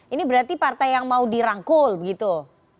ini berarti partai yang mau dirangkul begitu mas umam